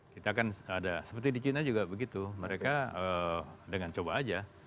kita kan ada seperti di china juga begitu mereka dengan coba aja